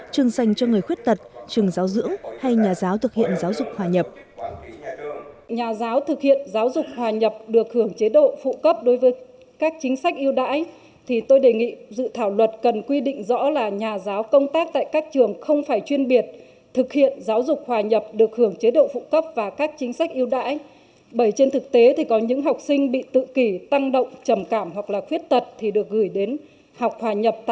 trường sành cho người khuyết tật trường giáo dưỡng hay nhà giáo thực hiện giáo dục hòa nhập